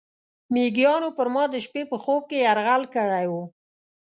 میږیانو پر ما د شپې په خوب کې یرغل کړی و.